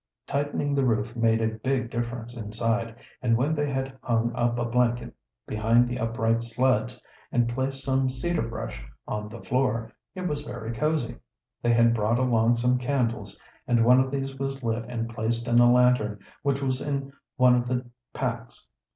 Tightening the roof made a big difference inside, and when they had hung up a blanket behind the upright sleds, and placed some cedar brush on the floor, it was very cozy. They had brought along some candles, and one of these was lit and placed in a lantern which was in one of the packs.